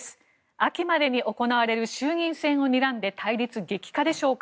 秋までに行われる衆議院選をにらんで対立激化でしょうか。